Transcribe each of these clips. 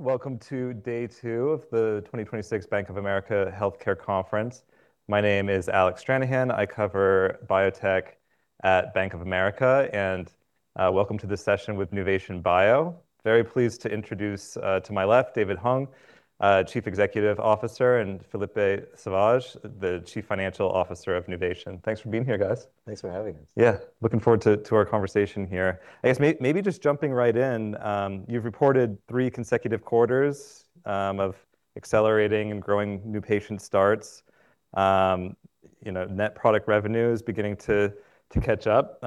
Welcome to day two of the 2026 Bank of America Healthcare Conference. My name is Alec Stranahan. I cover biotech at Bank of America, and welcome to this session with Nuvation Bio. Very pleased to introduce to my left, David Hung, Chief Executive Officer, and Philippe Sauvage, the Chief Financial Officer of Nuvation. Thanks for being here, guys. Thanks for having us. Yeah. Looking forward to our conversation here. I guess maybe just jumping right in, you've reported three consecutive quarters of accelerating and growing new patient starts. You know, net product revenue is beginning to catch up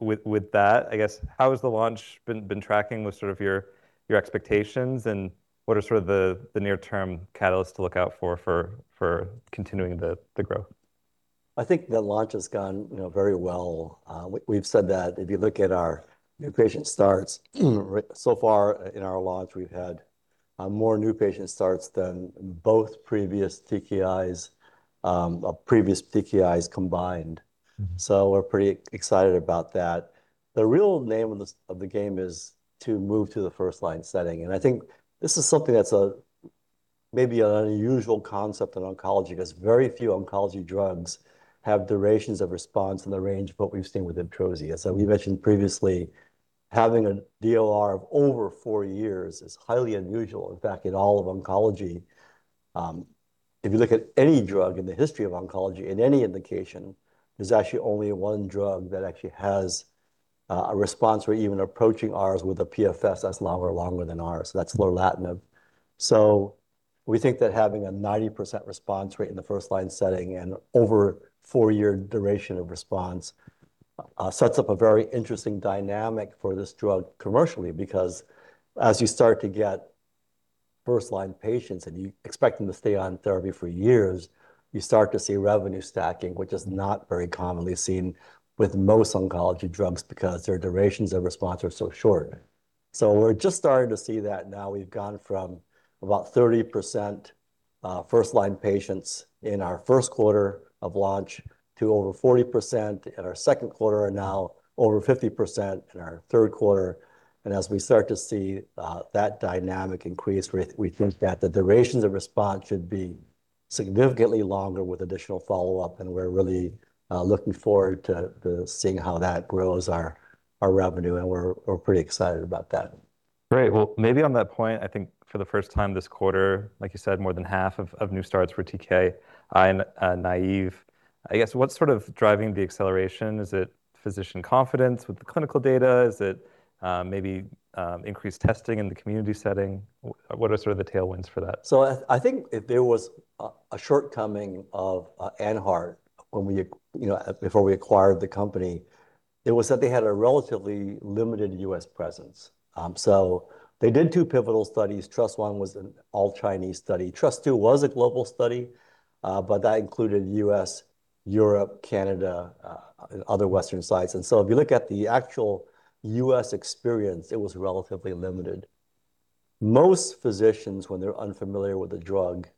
with that. I guess, how has the launch been tracking with sort of your expectations, and what are sort of the near-term catalysts to look out for, for continuing the growth? I think the launch has gone, you know, very well. We've said that if you look at our new patient starts, so far in our launch we've had more new patient starts than both previous TKIs combined. We're pretty excited about that. The real name of the game is to move to the first line setting, and I think this is something that's maybe an unusual concept in oncology, 'cause very few oncology drugs have durations of response in the range of what we've seen with IBTROZI. We mentioned previously having a DOR of over four years is highly unusual, in fact, in all of oncology. If you look at any drug in the history of oncology in any indication, there's actually only one drug that actually has a response rate even approaching ours with a PFS that's longer than ours. That's lorlatinib. We think that having a 90% response rate in the first line setting and over four-year duration of response sets up a very interesting dynamic for this drug commercially. As you start to get first line patients and you expect them to stay on therapy for years, you start to see revenue stacking, which is not very commonly seen with most oncology drugs because their durations of response are so short. We're just starting to see that now. We've gone from about 30% first line patients in our first quarter of launch to over 40% in our second quarter, and now over 50% in our third quarter. As we start to see that dynamic increase, we think that the durations of response should be significantly longer with additional follow-up, and we're really looking forward to seeing how that grows our revenue, and we're pretty excited about that. Great. Well, maybe on that point, I think for the first time this quarter, like you said, more than half of new starts for TKI and naive. I guess, what's sort of driving the acceleration? Is it physician confidence with the clinical data? Is it, maybe, increased testing in the community setting? What are sort of the tailwinds for that? I think if there was a shortcoming of AnHeart when we, you know, before we acquired the company, it was that they had a relatively limited U.S. presence. They did two pivotal studies. TRUST-I was an all-Chinese study. TRUST-II was a global study, but that included U.S., Europe, Canada, other Western sites. If you look at the actual U.S. experience, it was relatively limited. Most physicians, when they're unfamiliar with the drug,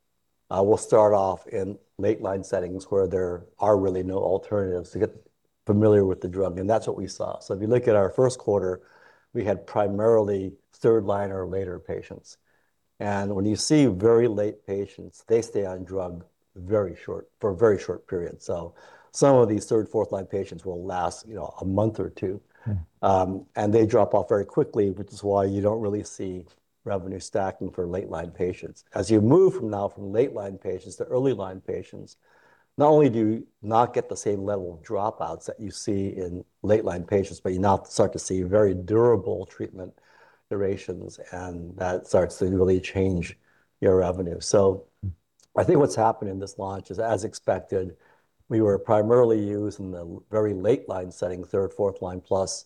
will start off in late line settings where there are really no alternatives to get familiar with the drug, and that's what we saw. If you look at our first quarter, we had primarily third line or later patients. When you see very late patients, they stay on drug for a very short period. Some of these third, fourth line patients will last, you know, a month or two. They drop off very quickly, which is why you don't really see revenue stacking for late line patients. As you move from now from late line patients to early line patients, not only do you not get the same level of dropouts that you see in late line patients, but you now start to see very durable treatment durations, and that starts to really change your revenue. I think what's happened in this launch is, as expected, we were primarily used in the very late line setting, third, fourth line plus.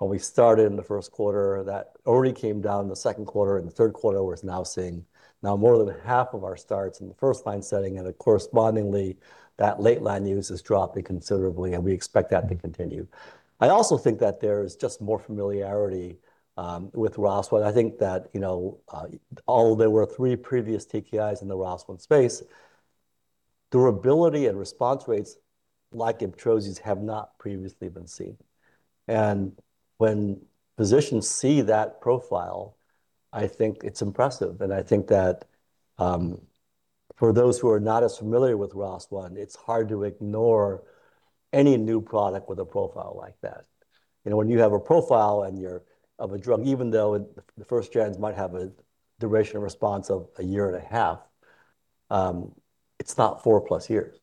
When we started in the first quarter, that already came down the second quarter. In the third quarter, we're now seeing now more than half of our starts in the first line setting. Correspondingly, that late line use has dropped considerably, and we expect that to continue. I also think that there is just more familiarity with ROS1. I think that, you know, there were three previous TKIs in the ROS1 space. Durability and response rates like IBTROZI's have not previously been seen. When physicians see that profile, I think it's impressive, and I think that for those who are not as familiar with ROS1, it's hard to ignore any new product with a profile like that. You know, when you have a profile of a drug, even though the first gens might have a duration of response of a year and a half, it's not four-plus years.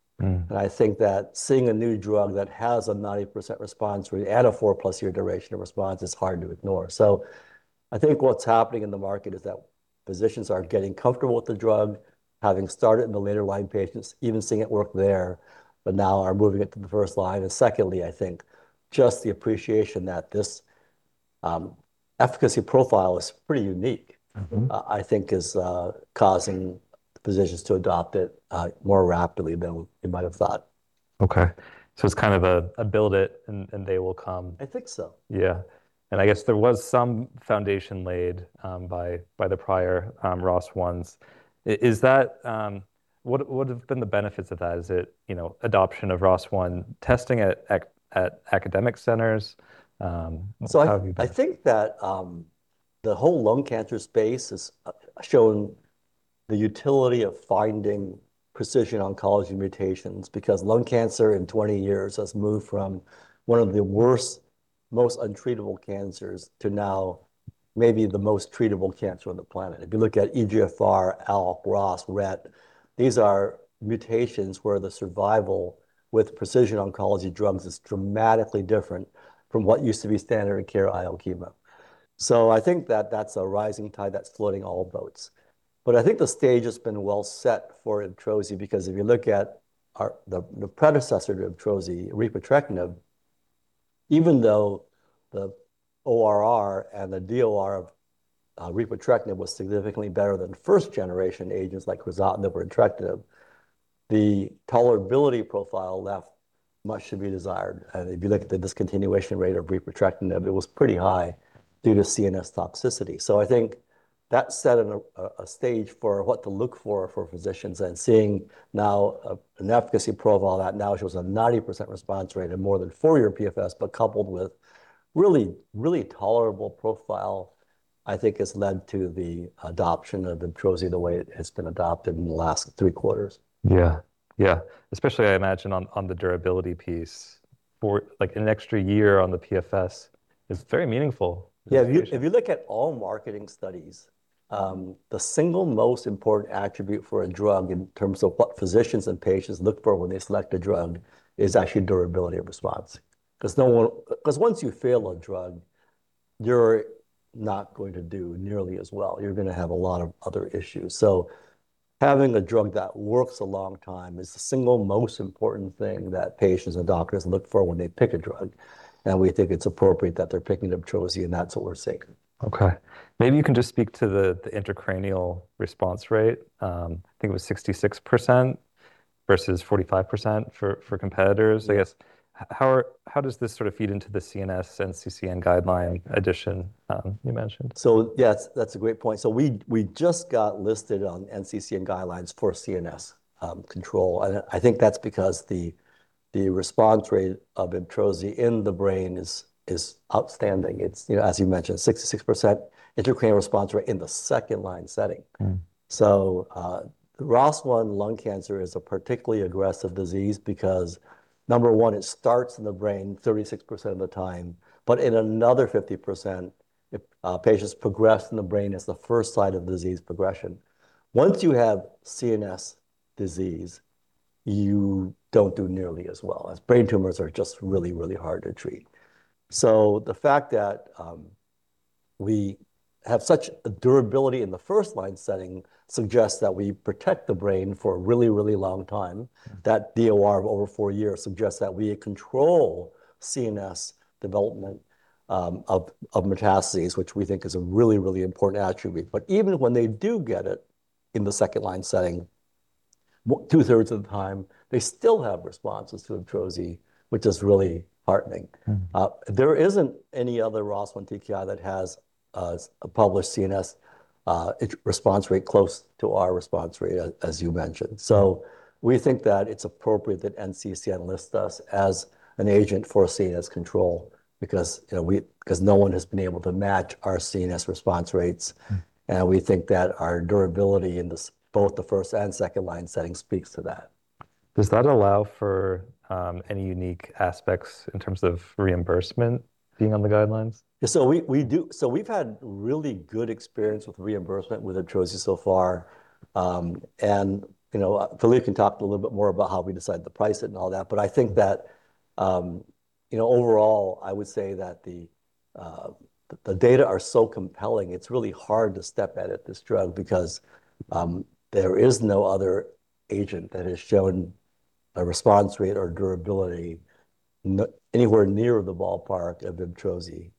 I think that seeing a new drug that has a 90% response rate and a four-plus year duration of response is hard to ignore. I think what's happening in the market is that physicians are getting comfortable with the drug, having started in the later line patients, even seeing it work there, but now are moving it to the first line. Secondly, I think just the appreciation that this efficacy profile is pretty unique. I think is causing physicians to adopt it more rapidly than we might have thought. Okay. It's kind of a build it and they will come. I think so. Yeah. I guess there was some foundation laid by the prior ROS1s. Is that, what have been the benefits of that? Is it, you know, adoption of ROS1 testing at academic centers? How have you been. I think that the whole lung cancer space has shown the utility of finding precision oncology mutations because lung cancer in 20 years has moved from one of the worst, most untreatable cancers to now maybe the most treatable cancer on the planet. If you look at EGFR, ALK, ROS, RET, these are mutations where the survival with precision oncology drugs is dramatically different from what used to be standard of care IO chemo. I think that that's a rising tide that's floating all boats. I think the stage has been well set for IBTROZI because if you look at our the predecessor to IBTROZI, repotrectinib, even though the ORR and the DOR of repotrectinib was significantly better than first generation agents like crizotinib or entrectinib, the tolerability profile left much to be desired. If you look at the discontinuation rate of repotrectinib, it was pretty high due to CNS toxicity. I think that set a stage for what to look for for physicians and seeing now an efficacy profile that now shows a 90% response rate and more than four-year PFS, but coupled with really, really tolerable profile, I think has led to the adoption of IBTROZI the way it has been adopted in the last three quarters. Yeah. Yeah. Especially I imagine on the durability piece for like an extra year on the PFS is very meaningful. Yeah. If you look at all marketing studies, the single most important attribute for a drug in terms of what physicians and patients look for when they select a drug is actually durability of response. 'Cause once you fail a drug, you're not going to do nearly as well. You're gonna have a lot of other issues. Having a drug that works a long time is the single most important thing that patients and doctors look for when they pick a drug, and we think it's appropriate that they're picking IBTROZI, and that's what we're seeing. Okay. Maybe you can just speak to the intracranial response rate. I think it was 66% versus 45% for competitors. I guess, how does this sort of feed into the CNS NCCN guideline addition you mentioned? Yes, that's a great point. We just got listed on NCCN guidelines for CNS control. I think that's because the response rate of IBTROZI in the brain is outstanding. It's, you know, as you mentioned, 66% intracranial response rate in the second-line setting. ROS1 lung cancer is a particularly aggressive disease because, number one, it starts in the brain 36% of the time. In another 50%, if patients progress in the brain as the first site of disease progression. Once you have CNS disease, you don't do nearly as well, as brain tumors are just really, really hard to treat. The fact that we have such a durability in the first line setting suggests that we protect the brain for a really, really long time. That DOR of over four years suggests that we control CNS development of metastases, which we think is a really, really important attribute. Even when they do get it in the second line setting, 2/3 of the time, they still have responses to IBTROZI, which is really heartening. There isn't any other ROS1 TKI that has a published CNS response rate close to our response rate, as you mentioned. We think that it's appropriate that NCCN lists us as an agent for CNS control because, you know, because no one has been able to match our CNS response rates. We think that our durability in both the first and second line setting speaks to that. Does that allow for any unique aspects in terms of reimbursement being on the guidelines? Yeah, we do. We've had really good experience with reimbursement with IBTROZI so far. You know, Philippe can talk a little bit more about how we decide to price it and all that. I think that, you know, overall, I would say that the data are so compelling, it's really hard to stop it, this drug, because there is no other agent that has shown a response rate or durability anywhere near the ballpark of IBTROZI.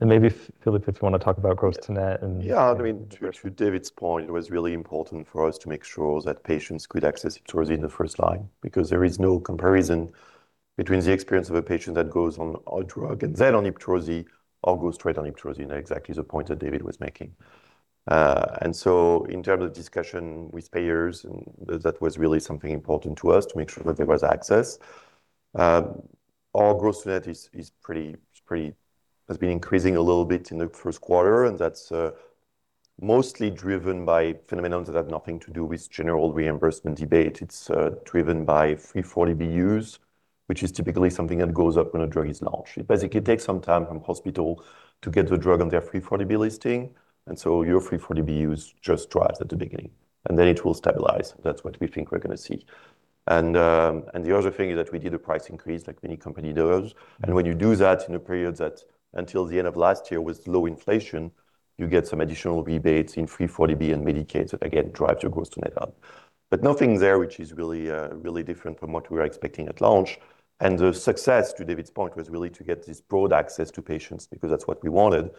Maybe Philippe, if you wanna talk about gross to net. Yeah, I mean, to David's point, it was really important for us to make sure that patients could access IBTROZI in the first line because there is no comparison between the experience of a patient that goes on our drug and then on IBTROZI or goes straight on IBTROZI, you know, exactly the point that David was making. In terms of discussion with payers and that was really something important to us to make sure that there was access. Our gross to net is pretty has been increasing a little bit in the first quarter, that's mostly driven by phenomena that have nothing to do with general reimbursement debate. It's driven by 340B use, which is typically something that goes up when a drug is launched. It basically takes some time from hospital to get the drug on their 340B listing, and so your 340B use just drops at the beginning, and then it will stabilize. That's what we think we're gonna see. The other thing is that we did a price increase like many company does. When you do that in a period that until the end of last year was low inflation, you get some additional rebates in 340B and Medicaid. Again, drives your gross to net up. Nothing there which is really different from what we were expecting at launch. The success, to David's point, was really to get this broad access to patients because that's what we wanted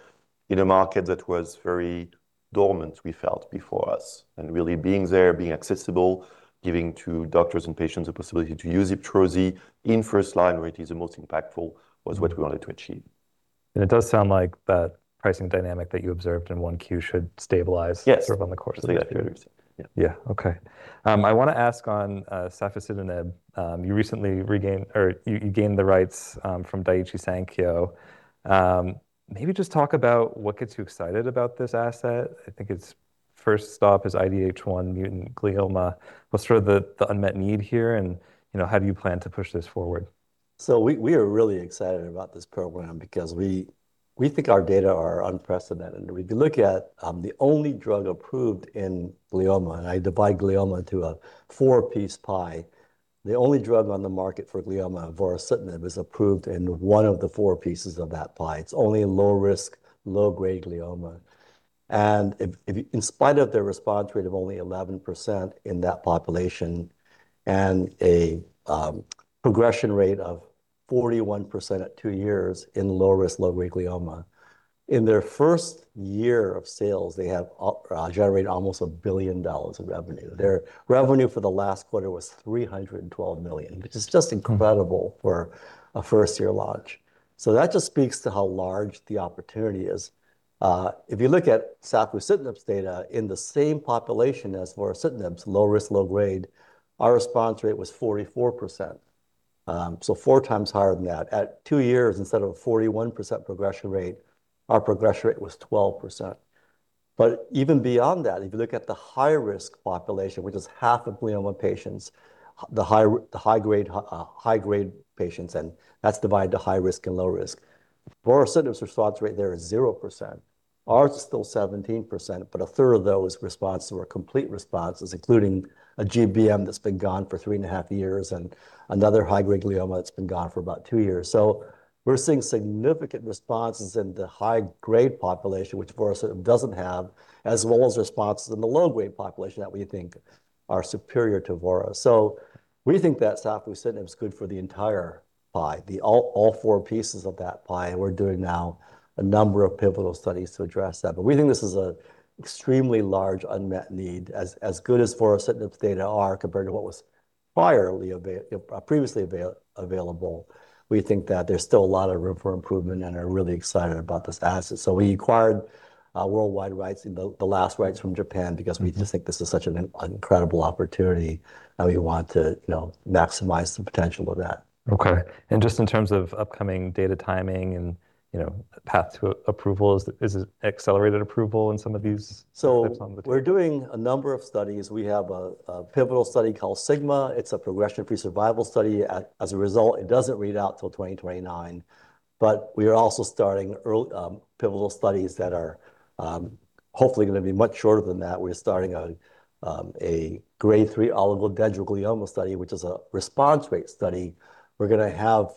in a market that was very dormant, we felt, before us. Really being there, being accessible, giving to doctors and patients the possibility to use IBTROZI in first line where it is the most impactful was what we wanted to achieve. It does sound like that pricing dynamic that you observed in 1Q should stabilize. Yes. Sort of on the course of the year. Yeah. Yeah. Okay. I wanna ask on safusidenib. You recently regained, or you gained the rights from Daiichi Sankyo. Maybe just talk about what gets you excited about this asset. I think it's first stop is IDH1-mutant glioma. What's sort of the unmet need here, and, you know, how do you plan to push this forward? We are really excited about this program because we think our data are unprecedented. If you look at the only drug approved in glioma, and I divide glioma into a four-piece pie. The only drug on the market for glioma, vorasidenib, is approved in one of the four pieces of that pie. It's only in low risk, low-grade glioma. If you In spite of their response rate of only 11% in that population and a progression rate of 41% at two years in low risk, low-grade glioma, in their first year of sales, they have generated almost $1 billion of revenue. Their revenue for the last quarter was $312 million, which is just incredible for a first-year launch. That just speaks to how large the opportunity is. If you look at safusidenib's data in the same population as vorasidenib's low risk, low grade, our response rate was 44%. Four times higher than that. At two years, instead of a 41% progression rate, our progression rate was 12%. Even beyond that, if you look at the high-risk population, which is half of glioma patients, the high grade, high-grade patients, and that's divided to high risk and low risk. Vorasidenib's response rate there is 0%. Ours is still 17%, but a third of those response were complete responses, including a GBM that's been gone for three and a half years and another high-grade glioma that's been gone for about two years. We're seeing significant responses in the high-grade population, which vorasidenib doesn't have, as well as responses in the low-grade population that we think are superior to voro. We think that safusidenib's is good for the entire pie, all four pieces of that pie. We're doing now a number of pivotal studies to address that. We think this is an extremely large unmet need. As good as vorasidenib's data are compared to what was previously available, we think that there's still a lot of room for improvement and are really excited about this asset. We acquired worldwide rights in the last rights from Japan because we just think this is such an incredible opportunity, and we want to, you know, maximize the potential of that. Okay. Just in terms of upcoming data timing and, you know, path to approval, is it accelerated approval in some of these? So. Types on the data? We're doing a number of studies. We have a pivotal study called SIGMA. It's a progression-free survival study. As a result, it doesn't read out till 2029. We are also starting pivotal studies that are hopefully gonna be much shorter than that. We're starting a grade three oligodendroglioma study, which is a response rate study. We're gonna have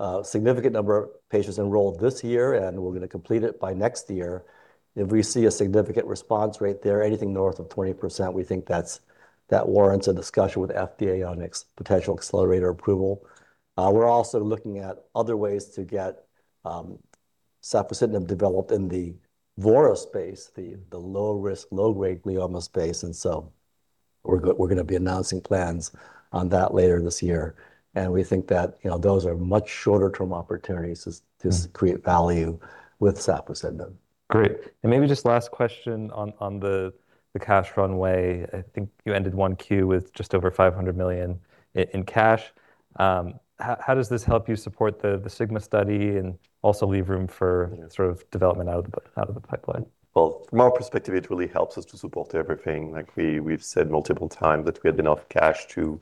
a significant number of patients enrolled this year, and we're gonna complete it by next year. If we see a significant response rate there, anything north of 20%, we think that warrants a discussion with FDA on potential accelerator approval. We're also looking at other ways to get safusidenib developed in the vorasidenib space, the low-risk, low-grade glioma space. We're gonna be announcing plans on that later this year. We think that, you know, those are much shorter term opportunities to create value with safusidenib. Great. Maybe just last question on the cash runway. I think you ended 1Q with just over $500 million in cash. How does this help you support the SIGMA study and also leave room for, you know, sort of development out of the pipeline? Well, from our perspective, it really helps us to support everything. Like we've said multiple times that we have enough cash to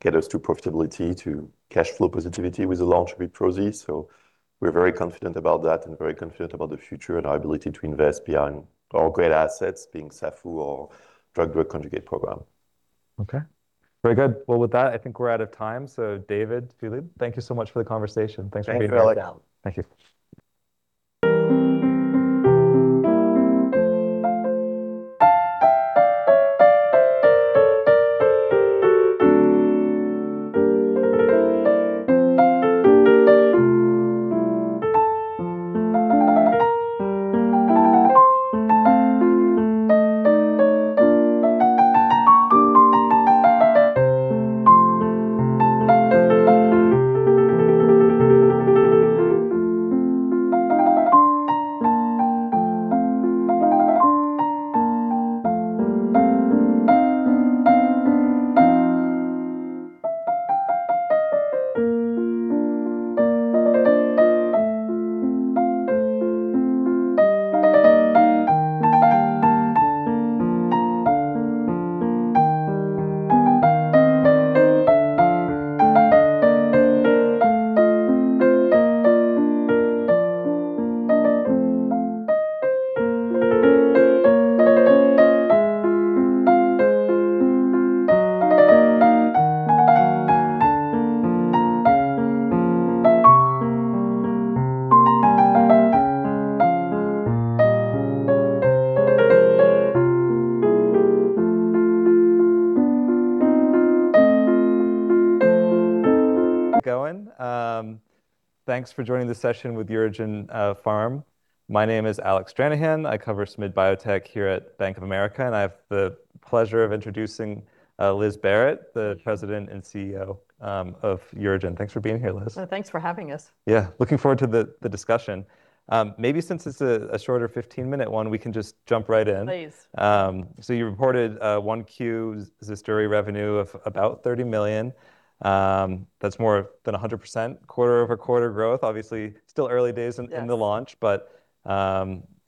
get us to profitability, to cash flow positivity with the launch of IBTROZI. We're very confident about that and very confident about the future and our ability to invest behind all great assets, being SAFU or antibody-drug conjugate program. Okay. Very good. Well, with that, I think we're out of time. David, Philippe, thank you so much for the conversation. Thanks for being with us. Thank you for having us. Thank you. Going. Thanks for joining the session with UroGen Pharma. My name is Alec Stranahan. I cover SMid-Cap Biotech here at Bank of America, and I have the pleasure of introducing Liz Barrett, the President and CEO of UroGen. Thanks for being here, Liz. Oh, thanks for having us. Yeah, looking forward to the discussion. Maybe since it's a 15-minute one, we can just jump right in. Please. You reported, 1Q ZUSDURI revenue of about $30 million. That's more than 100% quarter-over-quarter growth. Obviously, still early days in. Yeah. in the launch,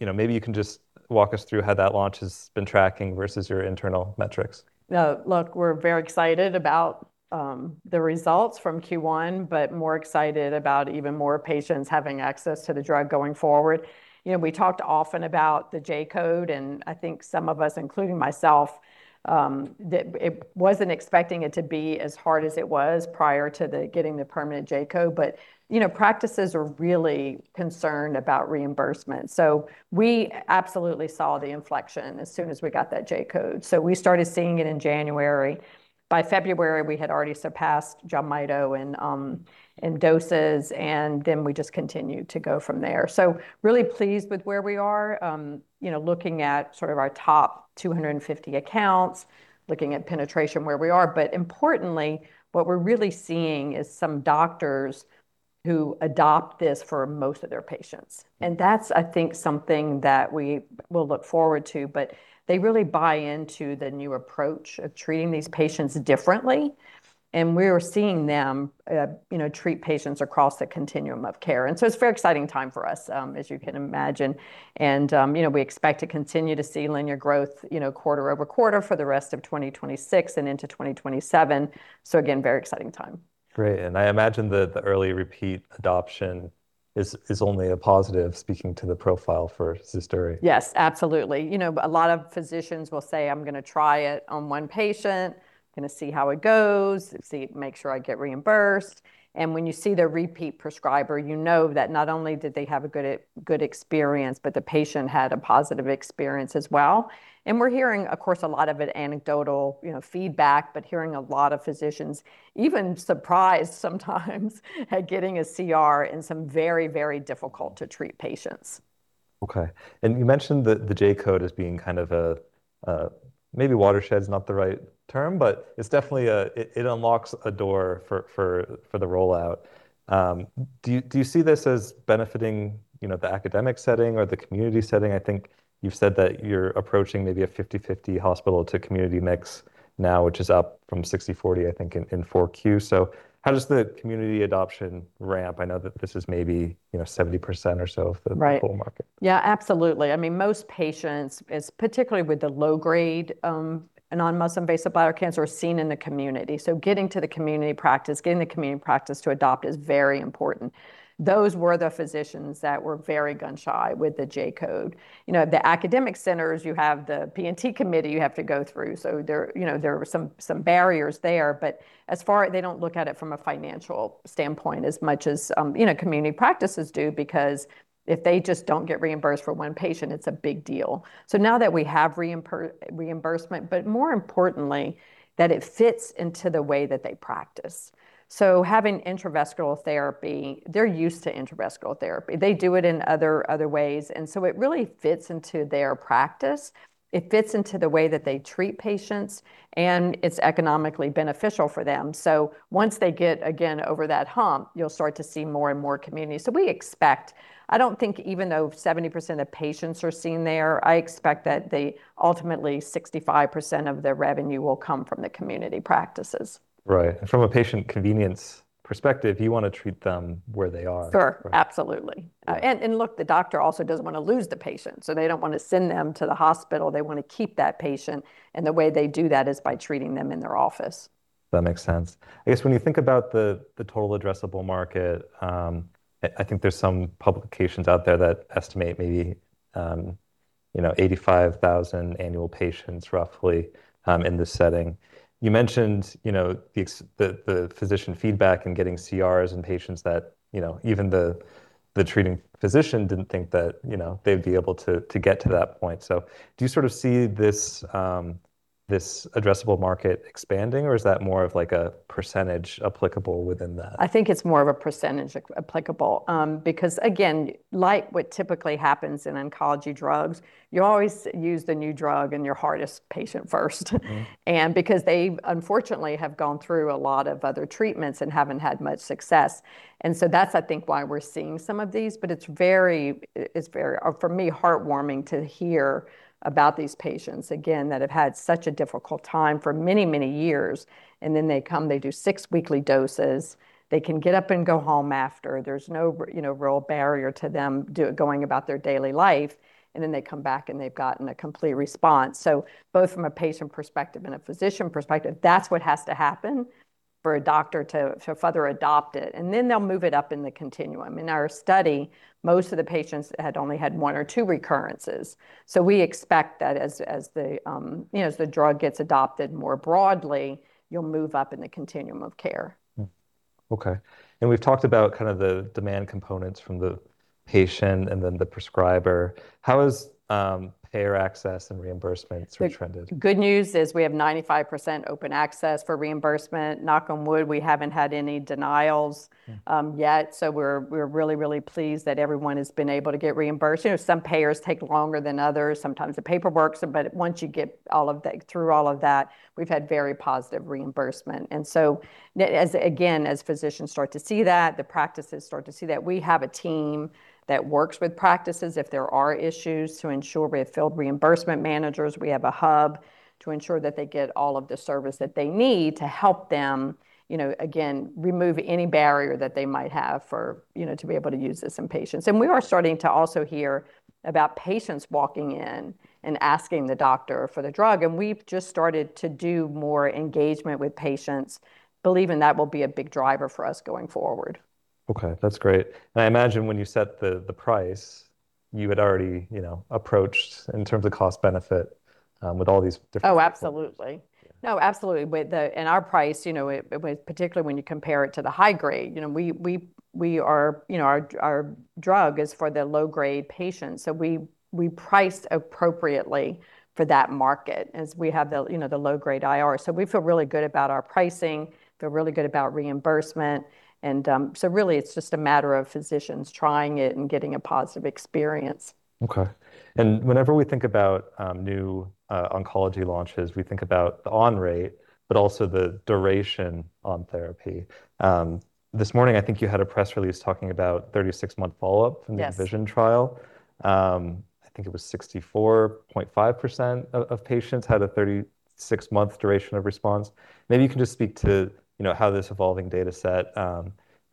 you know, maybe you can just walk us through how that launch has been tracking versus your internal metrics. Look, we're very excited about the results from Q1, more excited about even more patients having access to the drug going forward. You know, we talked often about the J-code, and I think some of us, including myself, it wasn't expecting it to be as hard as it was prior to getting the permanent J-code. You know, practices are really concerned about reimbursement. We absolutely saw the inflection as soon as we got that J-code. We started seeing it in January. By February, we had already surpassed JELMYTO in doses, we just continued to go from there. Really pleased with where we are, you know, looking at sort of our top 250 accounts, looking at penetration where we are. Importantly, what we're really seeing is some doctors who adopt this for most of their patients, and that's, I think, something that we will look forward to. They really buy into the new approach of treating these patients differently, and we're seeing them, you know, treat patients across the continuum of care. So it's a very exciting time for us, as you can imagine. We expect to continue to see linear growth, you know, quarter over quarter for the rest of 2026 and into 2027. Again, very exciting time. Great. I imagine that the early repeat adoption is only a positive speaking to the profile for ZUSDURI. Yes, absolutely. You know, a lot of physicians will say, "I'm gonna try it on one patient, gonna see how it goes, make sure I get reimbursed." When you see the repeat prescriber, you know that not only did they have a good experience, but the patient had a positive experience as well. We're hearing, of course, a lot of it anecdotal, you know, feedback, but hearing a lot of physicians even surprised sometimes at getting a CR in some very, very difficult to treat patients. Okay. You mentioned the J-code as being kind of maybe watershed's not the right term, but it's definitely it unlocks a door for the rollout. Do you see this as benefiting, you know, the academic setting or the community setting? I think you've said that you're approaching maybe a 50/50 hospital to community mix now, which is up from 60/40, I think, in 4Q. How does the community adoption ramp? I know that this is maybe, you know, 70% or so of the. Right. Total market. Yeah, absolutely. I mean, most patients, it's particularly with the low grade, non-muscle invasive bladder cancer seen in the community. Getting to the community practice, getting the community practice to adopt is very important. Those were the physicians that were very gun shy with the J-code. You know, the academic centers, you have the P&T committee you have to go through, so there, you know, there are some barriers there. They don't look at it from a financial standpoint as much as, you know, community practices do because if they just don't get reimbursed for one patient, it's a big deal. Now that we have reimbursement, but more importantly, that it fits into the way that they practice. Having intravesical therapy, they're used to intravesical therapy. They do it in other ways. It really fits into their practice. It fits into the way that they treat patients, and it's economically beneficial for them. Once they get, again, over that hump, you'll start to see more and more communities. I don't think even though 70% of patients are seen there, I expect that they ultimately 65% of their revenue will come from the community practices. Right. From a patient convenience perspective, you wanna treat them where they are. Sure. Right. Absolutely. Yeah. The doctor also doesn't wanna lose the patient, so they don't wanna send them to the hospital. They wanna keep that patient. The way they do that is by treating them in their office. That makes sense. I guess when you think about the total addressable market, I think there's some publications out there that estimate maybe, you know, 85,000 annual patients roughly, in this setting. You mentioned, you know, the physician feedback and getting CRs in patients that, you know, even the treating physician didn't think that, you know, they'd be able to get to that point. Do you sort of see this addressable market expanding, or is that more of like a percentage applicable within that? I think it's more of a percentage applicable. Because again, like what typically happens in oncology drugs, you always use the new drug in your hardest patient first. Because they, unfortunately, have gone through a lot of other treatments and haven't had much success. That's, I think, why we're seeing some of these. It's very, it's very, for me, heartwarming to hear about these patients, again, that have had such a difficult time for many, many years, then they come, they do six weekly doses. They can get up and go home after. There's no you know, real barrier to them going about their daily life, then they come back, they've gotten a complete response. Both from a patient perspective and a physician perspective, that's what has to happen for a doctor to further adopt it, they'll move it up in the continuum. In our study, most of the patients had only had one or two recurrences. We expect that as the, you know, as the drug gets adopted more broadly, you'll move up in the continuum of care. Okay. We've talked about kind of the demand components from the patient and then the prescriber. How is payer access and reimbursements trended? The good news is we have 95% open access for reimbursement. Knock on wood, we haven't had any denials yet. We're really, really pleased that everyone has been able to get reimbursed. You know, some payers take longer than others, sometimes the paperwork's. Once you get through all of that, we've had very positive reimbursement. As again, as physicians start to see that, the practices start to see that, we have a team that works with practices if there are issues to ensure. We have field reimbursement managers, we have a hub to ensure that they get all of the service that they need to help them, you know, again, remove any barrier that they might have for, you know, to be able to use this in patients. We are starting to also hear about patients walking in and asking the doctor for the drug, and we've just started to do more engagement with patients. Believing that will be a big driver for us going forward. Okay, that's great. I imagine when you set the price, you had already, you know, approached in terms of cost benefit with all these. Oh, absolutely. Yeah. No, absolutely. With our price, you know, it was particularly when you compare it to the high-grade, you know, we are, you know, our drug is for the low-grade patients, so we priced appropriately for that market as we have the, you know, the low-grade IR. We feel really good about our pricing, feel really good about reimbursement, and really it's just a matter of physicians trying it and getting a positive experience. Okay. Whenever we think about new oncology launches, we think about the on rate, but also the duration on therapy. This morning I think you had a press release talking about 36 month follow-up. Yes. VISION trial. I think it was 64.5% of patients had a 36 month duration of response. Maybe you can just speak to, you know, how this evolving data set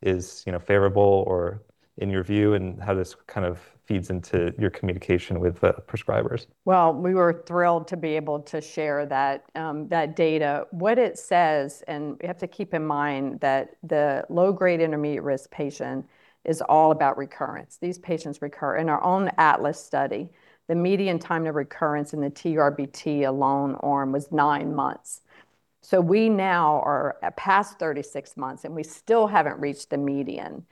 is, you know, favorable or in your view, and how this kind of feeds into your communication with prescribers. Well, we were thrilled to be able to share that data. What it says, and we have to keep in mind that the low grade intermediate risk patient is all about recurrence. These patients recur. In our own ATLAS study, the median time to recurrence in the TURBT alone arm was nine months. We now are at past 36 months, and we still haven't reached the median.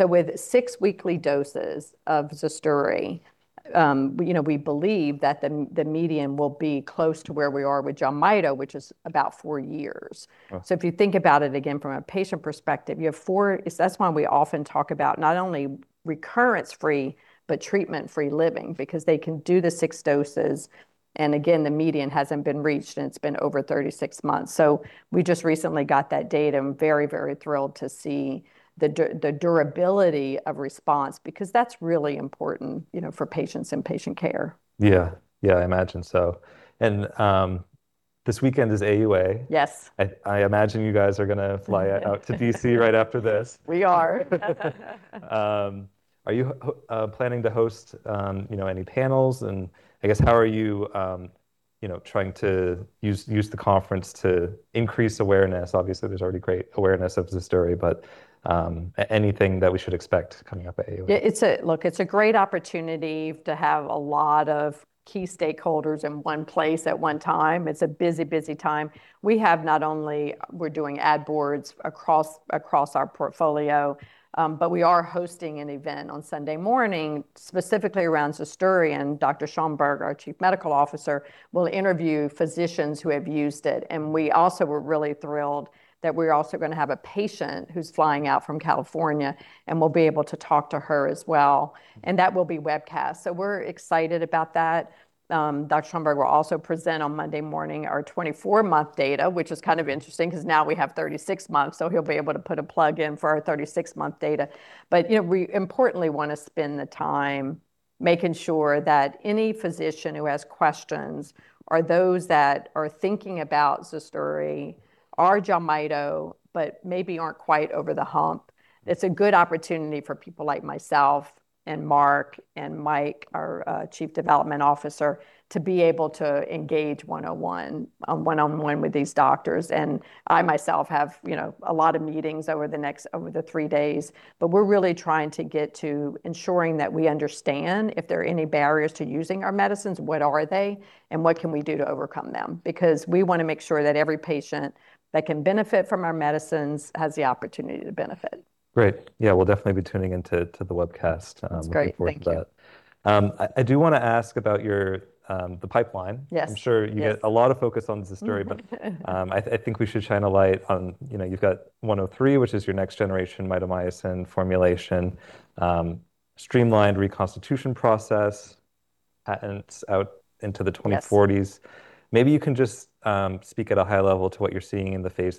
With six weekly doses of ZUSDURI, you know, we believe that the median will be close to where we are with JELMYTO, which is about four years. Wow. If you think about it again from a patient perspective, that's why we often talk about not only recurrence free, but treatment free living because they can do the six doses. Again, the median hasn't been reached and it's been over 36 months. We just recently got that data. I'm very thrilled to see the durability of response because that's really important, you know, for patients and patient care. Yeah. Yeah, I imagine so. This weekend is AUA. Yes. I imagine you guys are gonna fly out to D.C. right after this. We are. Are you planning to host, you know, any panels? I guess, how are you know, trying to use the conference to increase awareness? Obviously there's already great awareness of ZUSDURI, but anything that we should expect coming up at AUA? It's a great opportunity to have a lot of key stakeholders in one place at one time. It's a busy time. We have not only We're doing ad boards across our portfolio, but we are hosting an event on Sunday morning, specifically around ZUSDURI. Dr. Schoenberg, our Chief Medical Officer, will interview physicians who have used it. We also were really thrilled that we're also going to have a patient who's flying out from California, and we'll be able to talk to her as well, and that will be webcast. We're excited about that. Dr. Schoenberg will also present on Monday morning our 24-month data, which is kind of interesting 'cause now we have 36 months, so he'll be able to put a plug in for our 36-month data. You know, we importantly wanna spend the time making sure that any physician who has questions or those that are thinking about ZUSDURI or JELMYTO but maybe aren't quite over the hump, it's a good opportunity for people like myself and Mark and Mike, our chief development officer, to be able to engage one-on-one with these doctors. I myself have, you know, a lot of meetings over the next, over the three days, but we're really trying to get to ensuring that we understand if there are any barriers to using our medicines, what are they, and what can we do to overcome them. We wanna make sure that every patient that can benefit from our medicines has the opportunity to benefit. Great. Yeah, we'll definitely be tuning in to the webcast. That's great. Thank you. Looking forward to that. I do want to ask about your pipeline. Yes. I'm sure you get a lot of focus on ZUSDURI, but I think we should shine a light on, you know, you've got NUV-1511, which is your next generation mitomycin formulation, streamlined reconstitution process patents out into the 2040s. Yes. Maybe you can just speak at a high level to what you're seeing in the phase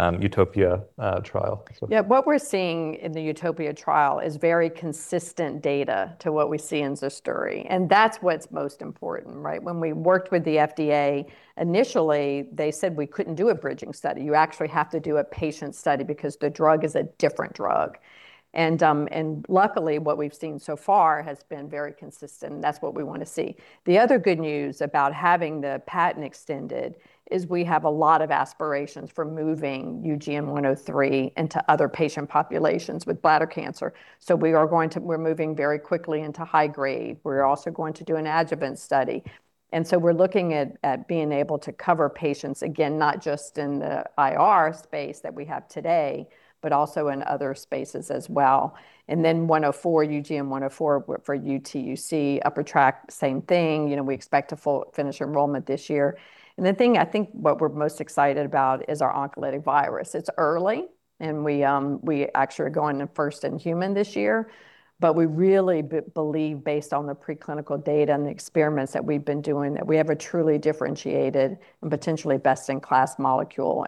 III UTOPIA trial as well. Yeah. What we're seeing in the UTOPIA trial is very consistent data to what we see in ZUSDURI, and that's what's most important, right? When we worked with the FDA initially, they said we couldn't do a bridging study. You actually have to do a patient study because the drug is a different drug. Luckily, what we've seen so far has been very consistent, and that's what we wanna see. The other good news about having the patent extended is we have a lot of aspirations for moving UGN-103 into other patient populations with bladder cancer. We're moving very quickly into high grade. We're also going to do an adjuvant study, we're looking at being able to cover patients, again, not just in the IR space that we have today, but also in other spaces as well. UGN-104 for UTUC, upper tract, same thing. You know, we expect a full finish enrollment this year. The thing I think what we're most excited about is our oncolytic virus. It's early, and we actually are going in first in human this year, but we really believe based on the preclinical data and the experiments that we've been doing, that we have a truly differentiated and potentially best-in-class molecule.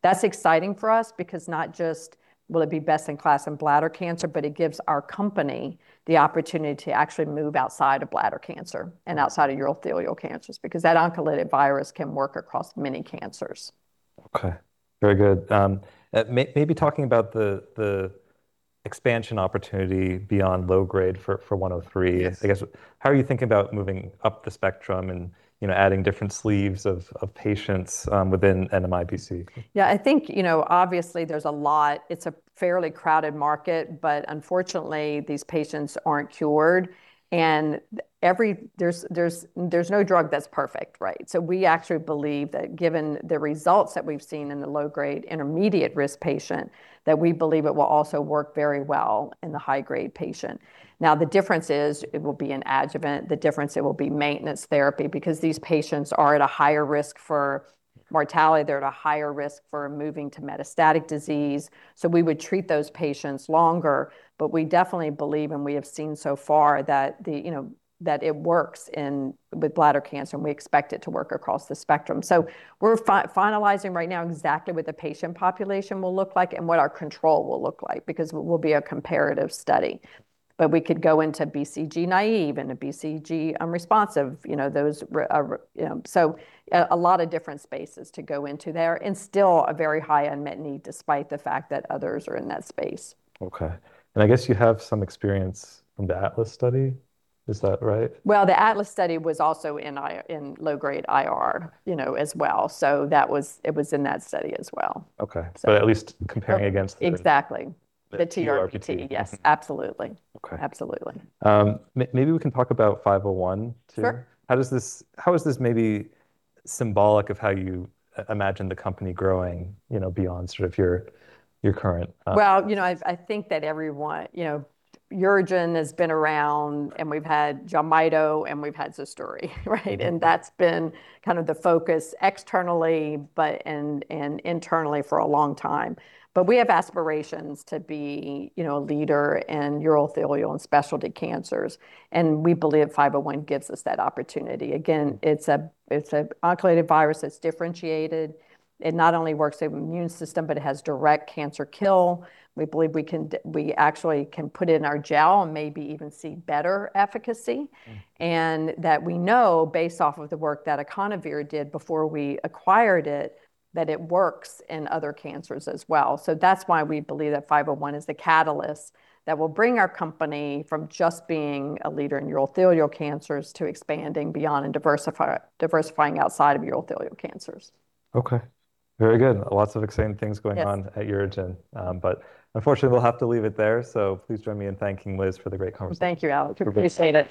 That's exciting for us because not just will it be best in class in bladder cancer, but it gives our company the opportunity to actually move outside of bladder cancer and outside of urothelial cancers, because that oncolytic virus can work across many cancers. Okay. Very good. Maybe talking about the expansion opportunity beyond low-grade for 103. Yes. I guess, how are you thinking about moving up the spectrum and, you know, adding different sleeves of patients within NMIBC? Yeah, I think, you know, obviously there's a lot. It's a fairly crowded market, but unfortunately these patients aren't cured. There's no drug that's perfect, right? We actually believe that given the results that we've seen in the low-grade intermediate-risk patient, that we believe it will also work very well in the high-grade patient. Now the difference is it will be an adjuvant. The difference, it will be maintenance therapy because these patients are at a higher risk for mortality. They're at a higher risk for moving to metastatic disease. We would treat those patients longer. We definitely believe, and we have seen so far that the, you know, that it works with bladder cancer, and we expect it to work across the spectrum. We're finalizing right now exactly what the patient population will look like and what our control will look like, because it will be a comparative study. We could go into BCG naive and a BCG unresponsive, you know, those, you know. A lot of different spaces to go into there, and still a very high unmet need despite the fact that others are in that space. Okay. I guess you have some experience from the ATLAS study, is that right? The ATLAS study was also in low-grade IR, you know, as well. It was in that study as well. Okay. So, At least comparing against. Exactly. The TURBT. The TURBT. Yes, absolutely. Okay. Absolutely. Maybe we can talk about 501 too. Sure. How is this maybe symbolic of how you imagine the company growing, you know, beyond sort of your current? Well, you know, I think that everyone, you know, UroGen has been around, and we've had JELMYTO and we've had ZUSDURI, right? That's been kind of the focus externally, but, and internally for a long time. We have aspirations to be, you know, a leader in urothelial and specialty cancers, and we believe 501 gives us that opportunity. Again, it's a oncolytic virus that's differentiated. It not only works with immune system, but it has direct cancer kill. We believe we actually can put in our gel and maybe even see better efficacy. That we know based off of the work that IconOvir did before we acquired it, that it works in other cancers as well. That's why we believe that 501 is the catalyst that will bring our company from just being a leader in urothelial cancers to expanding beyond and diversifying outside of urothelial cancers. Okay. Very good. Lots of exciting things going on. Yes. At UroGen. Unfortunately we'll have to leave it there, so please join me in thanking Liz for the great conversation. Thank you, Alec. I appreciate it.